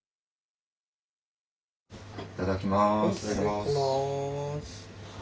いただきます。